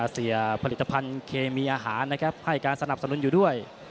เสียผลิตภัณฑ์เคมีอาหารนะครับให้การสนับสนุนอยู่ด้วย